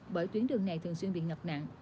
bởi tuyến đường này thường xuyên bị ngập nạn